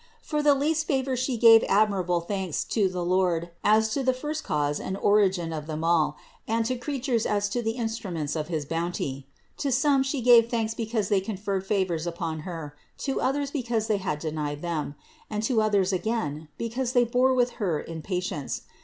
For the least favor She gave admirable thanks to the Lord, as to the first cause and origin of them all, and to THE INCARNATION 607 creatures as to the instruments of his bounty. To som* She gave thanks because they conferred favors upon Her, to others because they had denied them; and to others again because they bore with Her in patience.